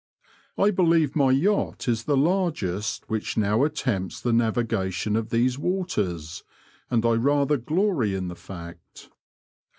I believe my yacht is the largest which now attempts the navigation of these waters, and I rather glory in the fact.